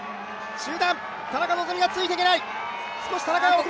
終盤、田中希実がついていけない。